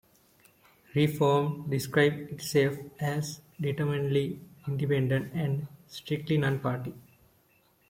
Reform describes itself as "determinedly independent and strictly non-party".